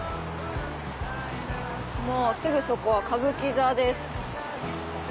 もうすぐそこは歌舞伎座です。